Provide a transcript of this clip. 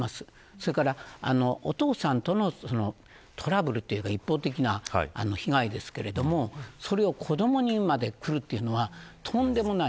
それから、お父さんとのトラブルというか一方的な被害ですがそれを子どもにまでくるというのはとんでもない。